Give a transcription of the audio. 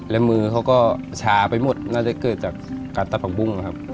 และมือเขาก็ชาไปหมดน่าจะเกิดจากการตัดผักบุ้งครับ